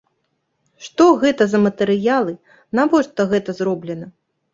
Што гэта за матэрыялы, навошта гэта зроблена?